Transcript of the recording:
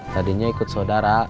tadinya ikut saudara